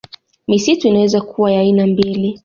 Misitu inaweza kuwa ya aina mbili